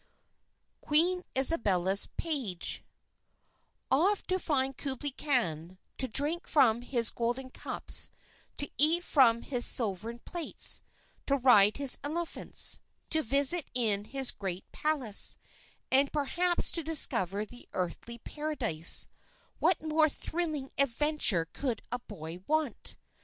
QUEEN ISABELLA'S PAGE Off to find Kublai Khan, to drink from his golden cups, to eat from his silvern plates, to ride his elephants, to visit in his great palace, and, perhaps, to discover the Earthly Paradise what more thrilling adventure could a boy want?